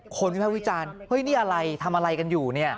วิภาควิจารณ์เฮ้ยนี่อะไรทำอะไรกันอยู่เนี่ย